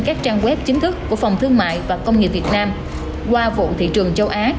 các trang web chính thức của phòng thương mại và công nghiệp việt nam qua vụ thị trường châu á